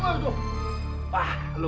kita ingin tuh ikut banker dulu